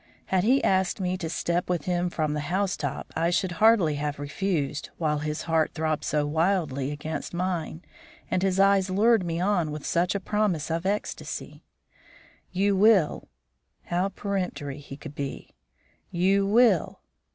Had he asked me to step with him from the housetop I should hardly have refused while his heart throbbed so wildly against mine and his eyes lured me on with such a promise of ecstasy. "You will?" How peremptory he could be. "You will?"